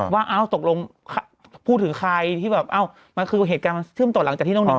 ว่าเอ้าตกลงพูดถึงใครที่แบบเอ้ามันคือเหตุการณ์มันเชื่อมต่อหลังจากที่น้อง